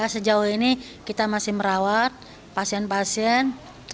sejauh ini kita masih merawat pasien pasien